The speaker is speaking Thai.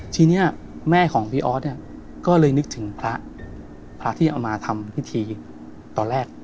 ทีนี้แม่ของพี่ออสเนี่ยก็เลยนึกถึงพระพระที่เอามาทำพิธีตอนแรก